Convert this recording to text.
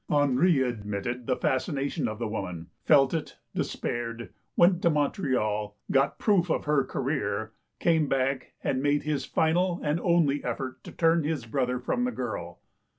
Henri admitted the fascination of the woman, felt it, despaired, went to Montreal, got proof of her career, came back, and made his final and only effort to turn his brother from the girl.